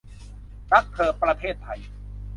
รักเธอประเทศไทย